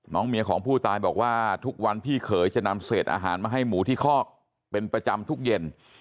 เมียของผู้ตายบอกว่าทุกวันพี่เขยจะนำเศษอาหารมาให้หมูที่คอกเป็นประจำทุกเย็น